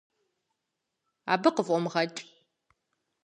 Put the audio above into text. Абы къыфӀумыгъэкӀ.